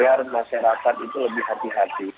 biar masyarakat itu lebih hati hati